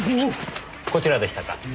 こちらでしたか。